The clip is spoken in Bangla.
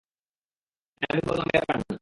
আমি বললাম, ব্যাপার না।